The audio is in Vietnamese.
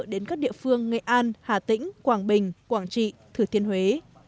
đến các địa phương nghệ an hà tĩnh quảng bình quảng trị thử thiên huế